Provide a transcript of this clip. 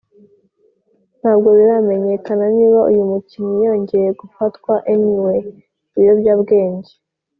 ntabwo biramenyekana niba uyu mukinnyi yongeye gufatwa anyway ibiyobyabwenge